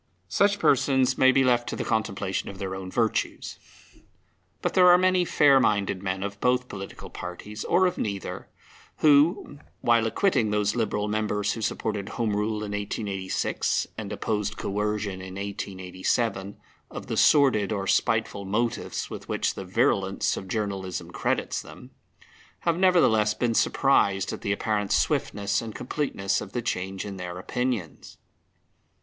Such persons may be left to the contemplation of their own virtues. But there are many fair minded men of both political parties, or of neither, who, while acquitting those Liberal members who supported Home Rule in 1886 and opposed Coercion in 1887 of the sordid or spiteful motives with which the virulence of journalism credits them, have nevertheless been surprised at the apparent swiftness and completeness of the change in their opinions.